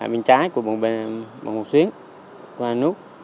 bên trái của bùng binh bằng một xuyến qua nút